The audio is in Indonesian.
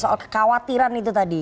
soal kekhawatiran itu tadi